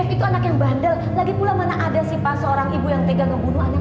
itu anak yang bandel lagi pula mana ada sih pak seorang ibu yang tega ngebunuh anak